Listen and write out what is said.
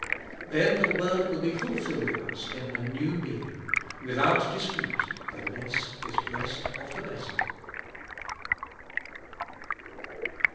Then the word will be fulfilled in us in a new meaning: Without dispute the less is blessed of the better.